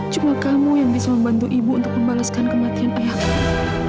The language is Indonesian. cuma kamu yang bisa membantu ibu untuk membalaskan kematian ayah kamu